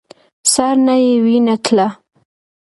سر نه يې وينه تله.